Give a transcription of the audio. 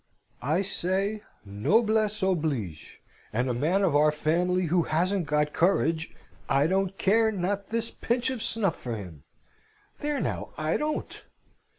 "I say, noblesse oblige, and a man of our family who hasn't got courage, I don't care not this pinch of snuff for him there, now, I don't!